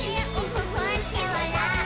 ふっふってわらって」